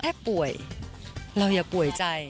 ป่วยเราอย่าป่วยใจ